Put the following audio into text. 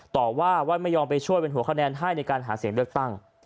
ต่อว่าว่าไม่ยอมไปช่วยเป็นหัวคะแนนให้ในการหาเสียงเลือกตั้ง